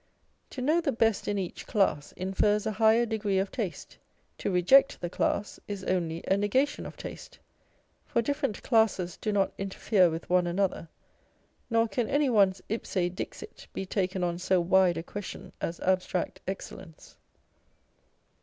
To know the best in each class infers a higher degree of taste ; to reject the class is only a negation of taste ; for different classes do not interfere with one another, nor can any one's ipse dixit be taken on so wide a question as abstract excellence.